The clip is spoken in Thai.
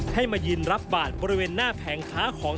ให้มายืนรับบาทบริเวณหน้าแผงค้าของ